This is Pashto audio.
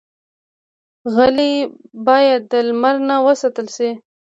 غلۍ باید د لمر نه وساتل شي.